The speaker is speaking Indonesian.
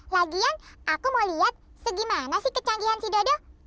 lagian aku mau lihat segimana sih kecanggihan si dodo